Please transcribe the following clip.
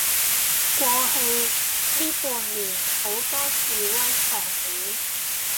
過去呢半年好多示威場面